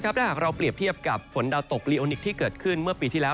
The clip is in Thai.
ถ้าหากเราเปรียบเทียบกับฝนดาวตกลีโอนิคที่เกิดขึ้นเมื่อปีที่แล้ว